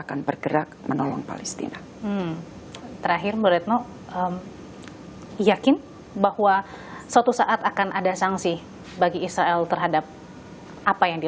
untuk menguasai pada akhirnya